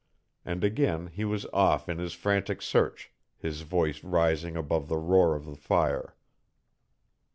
And again he was off in his frantic search, his voice rising above the roar of the fire.